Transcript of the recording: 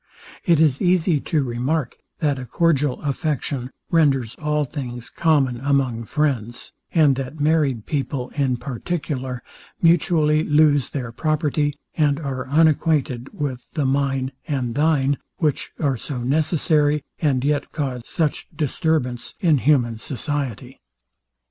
It is easy to remark, that a cordial affection renders all things common among friends; and that married people in particular mutually lose their property, and are unacquainted with the mine and thine, which are so necessary, and yet cause such disturbance in human society.